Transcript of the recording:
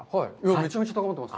めちゃめちゃ高まっています。